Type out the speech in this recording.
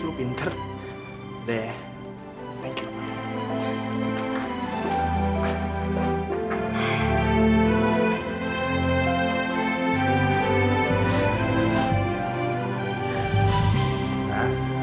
kamu bisa menolong mereka